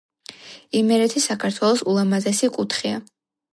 იმერეთი საქართველოს ულამაზესი კუთხეა